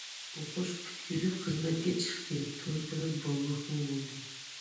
ئوقۇش پۈتكۈزۈپ، خىزمەتكە چىقتى، توي قىلىپ، بالىلىقمۇ بولدى.